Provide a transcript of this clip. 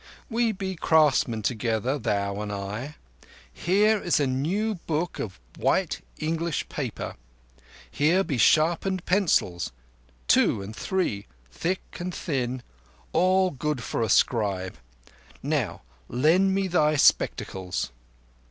We be craftsmen together, thou and I. Here is a new book of white English paper: here be sharpened pencils two and three—thick and thin, all good for a scribe. Now lend me thy spectacles."